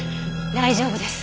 大丈夫です。